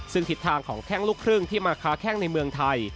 ซึ่งทิศทางของแข้งลูกครึ่งที่มาค้าแข้งในเมืองไทย